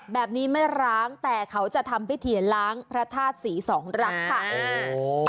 แบบนี้ไม่ร้างแต่เขาจะทำพิธีล้างพระธาตุศรีสองรักค่ะ